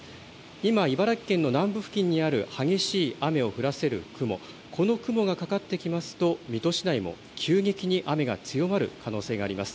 今、茨城県の南部付近にある激しい雨を降らせる雲、この雲がかかってきますと水戸市内も急激に雨が強まる可能性があります。